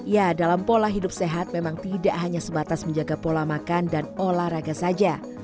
ya dalam pola hidup sehat memang tidak hanya sebatas menjaga pola makan dan olahraga saja